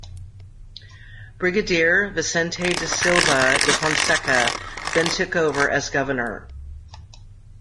Brigadier Vicente da Silva da Fonseca then took over as governor.